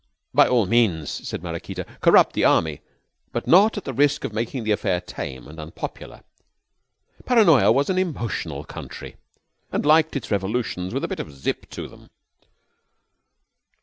By all means, said Maraquita, corrupt the army, but not at the risk of making the affair tame and unpopular. Paranoya was an emotional country, and liked its revolutions with a bit of zip to them.